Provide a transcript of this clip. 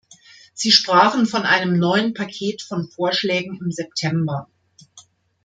Sie sprachen von einem neuen Paket von Vorschlägen im September.